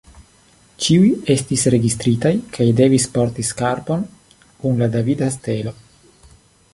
Ĉiuj estis registritaj kaj devis porti skarpon kun la davida stelo.